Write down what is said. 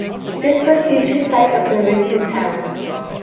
This was future site of the original town.